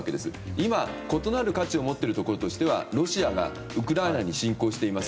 今、異なる価値を持っているところとしてはロシアがウクライナに侵攻しています。